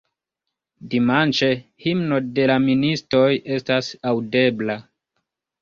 Dimanĉe himno de la ministoj estas aŭdebla.